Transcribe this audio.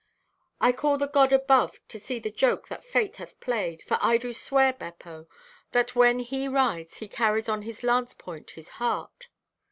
"I call the God above to see the joke that fate hath played; for I do swear, Beppo, that when he rides he carries on his lance point this heart.